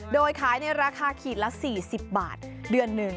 โดยขายในราคาขีดละ๔๐บาทเดือนหนึ่ง